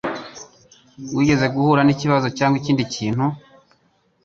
Wigeze guhura nikibazo cyangwa ikindi kintu?